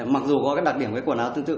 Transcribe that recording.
mặc dù có cái đặc điểm với quần áo tương tự